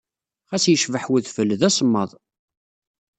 Xas yecbeḥ wedfel, d asemmaḍ.